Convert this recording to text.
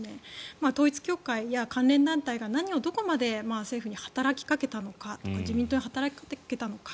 統一教会や関連団体が何をどこまで政府に働きかけたのかとか自民党に働きかけたのか。